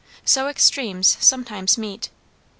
So extremes sometimes meet.